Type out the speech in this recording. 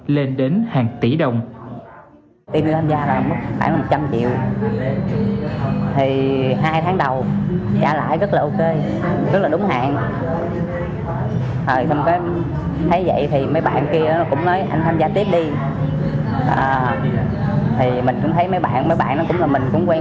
lên đến trường tiện holding